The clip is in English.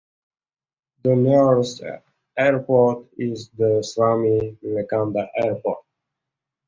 The nearest airport is the Swami Vivekananda Airport.